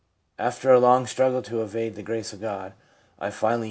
After a long struggle to evade the grace of God, I finally Figure 5.